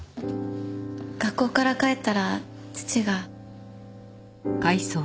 学校から帰ったら父が。